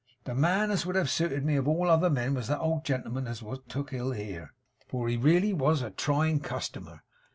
The man as would have suited me of all other men was that old gentleman as was took ill here, for he really was a trying customer.